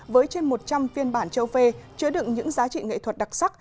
với trên một trăm linh phiên bản châu phê chứa đựng những giá trị nghệ thuật đặc sắc